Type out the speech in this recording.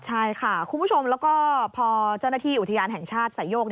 ใช่ค่ะคุณผู้ชมแล้วก็พอเจ้าหน้าที่อุทยานแห่งชาติสายโยก